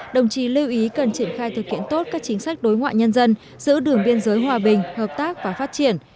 đồng chí lưu ý cần triển khai thực hiện tốt các chính sách đối ngoại nhân dân giữ đường biên giới hòa bình hợp tác và phát triển